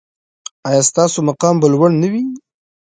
ایا ستاسو مقام به لوړ نه وي؟